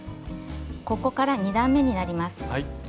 ここから２段めになります。